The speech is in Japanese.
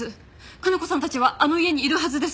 加奈子さんたちはあの家にいるはずです！